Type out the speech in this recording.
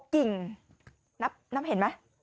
กิ่งนับเห็นไหม